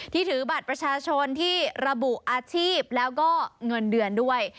ถือบัตรประชาชนที่ระบุอาชีพแล้วก็เงินเดือนด้วย